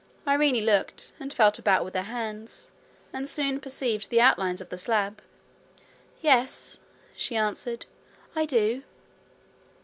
Irene looked, and felt about with her hands, and soon perceived the outlines of the slab. 'Yes,' she answered, 'I do.'